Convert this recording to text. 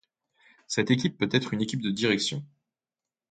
Cette équipe peut être une équipe de direction.